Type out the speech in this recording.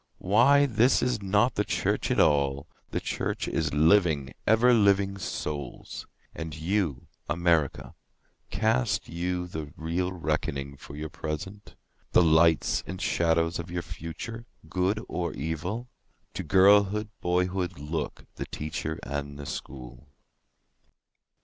Why this is not the church at all—the Church is living, ever living Souls.")And you, America, Cast you the real reckoning for your present? The lights and shadows of your future—good or evil? To girlhood, boyhood look—the Teacher and the School.